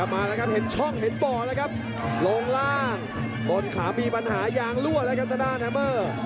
มานะครับเห็นช่องเห็นป่อลงล่างบนขามีปัญหายางลั่วและกันต่อด้านฮัมเมอร์